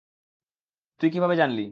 তুই কীভাবে জানলি?